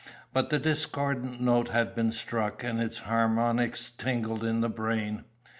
But the discordant note had been struck, and its harmonics tingled in the brain.